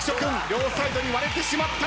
両サイドにわれてしまったが。